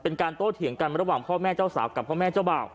โตเถียงกันระหว่างพ่อแม่เจ้าสาวกับพ่อแม่เจ้าบ่าว